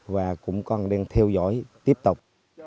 và cũng còn đang theo dõi tiếp tục